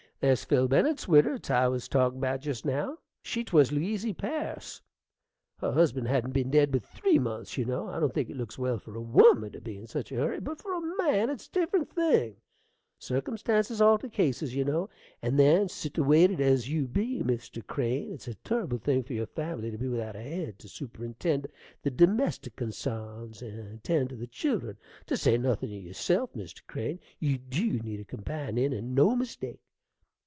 There's Phil Bennet's widder 't I was a talkin' about jest now, she 'twas Louisy Perce: her husband hadn't been dead but three months, you know. I don't think it looks well for a woman to be in such a hurry; but for a man it's a different thing: circumstances alter cases, you know. And then, sittiwated as you be, Mr. Crane, it's a turrible thing for your family to be without a head to superintend the domestic consarns and 'tend to the children, to say nothin' o' yerself, Mr. Crane. You dew need a companion, and no mistake.